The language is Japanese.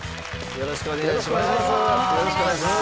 よろしくお願いします。